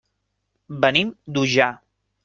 Venim d'Ullà.